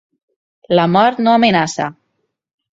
La mort no amenaça.